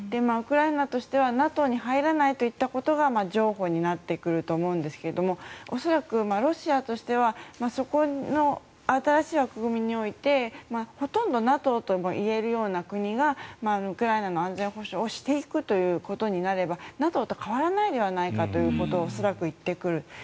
ウクライナとしてはＮＡＴＯに入らないと言ったことが譲歩になってくると思うんですが恐らく、ロシアとしてはそこの新しい枠組みにおいてほとんどＮＡＴＯともいえるような国がウクライナの安全保障をしていくということになればＮＡＴＯと変わらないのではないかということを恐らく言ってくる。